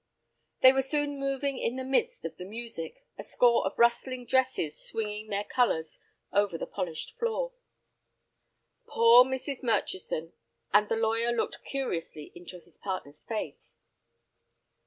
They were soon moving in the midst of the music, a score of rustling dresses swinging their colors over the polished floor. "Poor Mrs. Murchison," and the lawyer looked curiously into his partner's face.